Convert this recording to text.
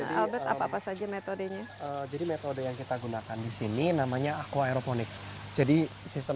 jadi apa saja metodenya jadi metode yang kita gunakan disini namanya aku aeroponik jadi sistem